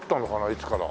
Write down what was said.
いつから。